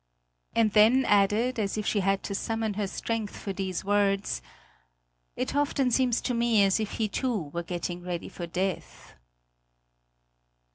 And then added, as if she had to summon her strength for these words: "It often seems to me as if he too were getting ready for death."